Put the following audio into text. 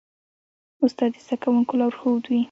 استاد د زدهکوونکو لارښود وي.